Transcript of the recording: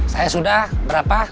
saya sudah berapa